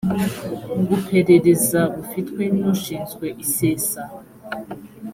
guperereza bufitwe n ushinzwe isesa